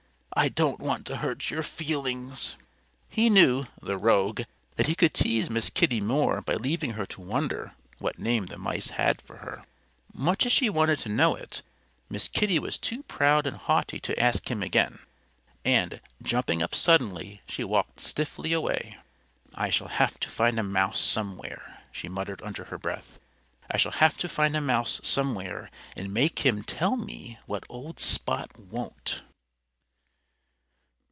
"I don't want to hurt your feelings." He knew (the rogue) that he could tease Miss Kitty more by leaving her to wonder what name the mice had for her. Much as she wanted to know it, Miss Kitty Cat was too proud and haughty to ask him again. And, jumping up suddenly, she walked stiffly away. "I shall have to find a mouse somewhere," she muttered under her breath. "I shall have to find a mouse somewhere and make him tell me what old Spot won't."